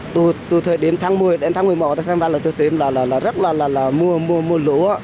từ thời điểm tháng một mươi đến tháng một mươi một tháng ba là từ thời điểm là rất là là là mùa mùa lũ